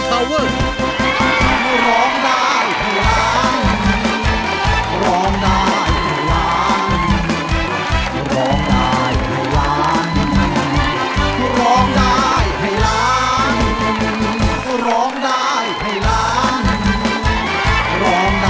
สวัสดีครับ